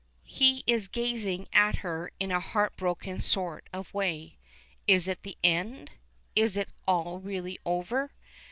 He is gazing at her in a heartbroken sort of way. Is it the end? Is it all really over?